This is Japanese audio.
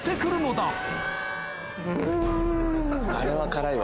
あれは辛いわ。